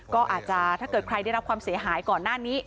ก็อาจจะถ้าเกิดใครได้รับความเสียหายก่อนหน้านี้